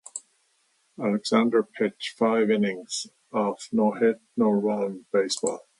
Alexander pitched five-innings of no-hit no-run baseball.